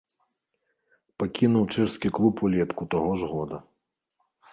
Пакінуў чэшскі клуб улетку таго ж года.